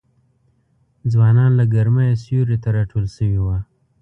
ځوانان له ګرمیه سیوري ته راټول سوي وه